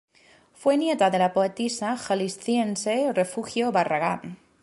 Fue nieta de la poetisa jalisciense Refugio Barragán.